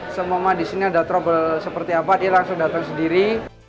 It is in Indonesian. semama disini ada trouble seperti apa dia langsung datang sendiri